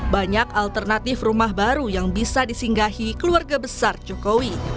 banyak alternatif rumah baru yang bisa disinggahi keluarga besar jokowi